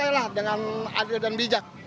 ya sudah lah dengan adil dan bijak